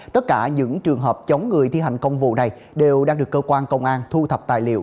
tất cả những trường hợp chống người thi hành công vụ này đều đang được cơ quan công an thu thập tài liệu